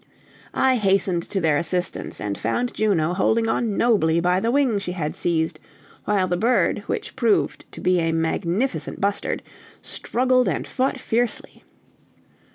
I hastened to their assistance, and found Juno holding on nobly by the wing she had seized, while the bird, which proved to be a magnificent bustard, struggled and fought fiercely.